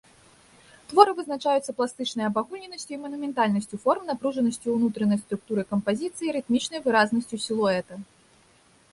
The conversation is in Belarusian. Творы вызначаюцца пластычнай абагульненасцю і манументальнасцю форм, напружанасцю ўнутранай структуры кампазіцыі, рытмічнай выразнасцю сілуэта.